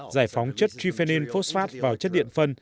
giải phóng chất trifenil phosphate vào chất điện phân